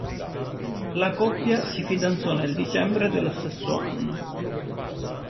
La coppia si fidanzò nel dicembre dello stesso anno.